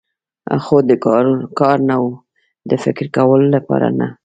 خو د کار نه و، د فکر کولو لپاره نه.